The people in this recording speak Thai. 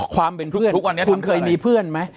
ความเป็นเพื่อนคุณเคยมีเพื่อนมั้ย